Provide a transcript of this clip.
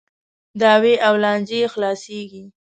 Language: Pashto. دعاوې او لانجې خلاصیږي .